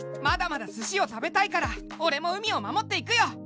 まだまだスシを食べたいからオレも海を守っていくよ！